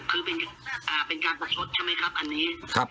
คือเป็นอ่าเป็นการ